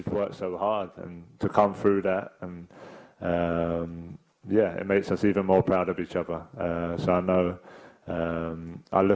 pertama kali ingin mencapai keputusan menang dan itu membuat kita lebih bangga dengan satu sama lain